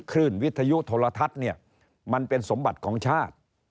คลื่นวิทยุโทรทัศน์เนี่ยมันเป็นสมบัติของชาติ